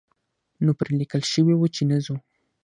نو پرې لیکل شوي وو چې نه ځو.